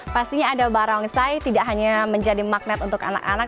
pastinya ada barongsai tidak hanya menjadi magnet untuk anak anak